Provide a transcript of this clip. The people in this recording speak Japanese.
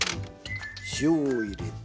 塩を入れて。